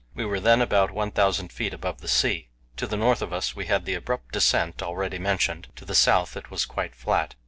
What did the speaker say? We were then about 1,000 feet above the sea; to the north of us we had the abrupt descent already mentioned, to the south it was quite flat.